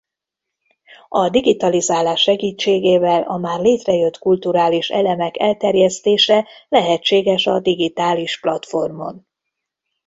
A digitalizálás segítségével a már létrejött kulturális elemek elterjesztése lehetséges a digitális platformon.